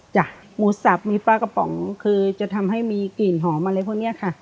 หมูสับมีปลากระป๋องคือจะทำให้มีกลิ่นหอมอะไรพวกนี้ค่ะ